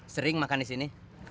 sering makan di sini